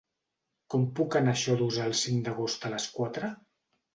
Com puc anar a Xodos el cinc d'agost a les quatre?